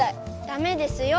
ダメですよ！